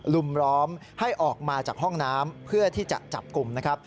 ลุมล้อมให้ออกมาจากห้องน้ำเพื่อที่จะจับกลุ่มนะครับ